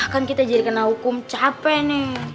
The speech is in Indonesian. kan kita jadi kena hukum capek nih